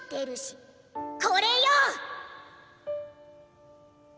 これよ！！